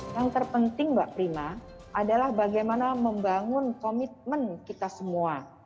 yang terpenting mbak prima adalah bagaimana membangun komitmen kita semua